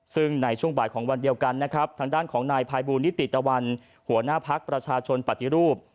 ซึ่งในช่วงบ่ายของวันเดียวกันนะครับทางด้านของนายพายบูรณิติตะวันหัวหน้าพักประชาชนปฏิรูป